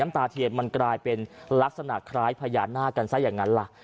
มันกลายเป็นลักษณะคล้ายพยานหน้ากันซะอย่างนั้นล่ะ